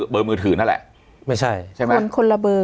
เบอร์มือถือนั่นแหละไม่ใช่ใช่ไหมมันคนละเบอร์